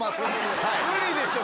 無理でしょ。